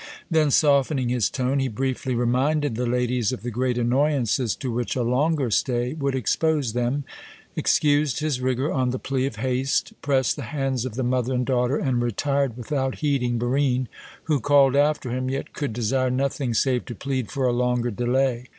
Then softening his tone, he briefly reminded the ladies of the great annoyances to which a longer stay would expose them, excused his rigour on the plea of haste, pressed the hands of the mother and daughter, and retired without heeding Barine, who called after him, yet could desire nothing save to plead for a longer delay.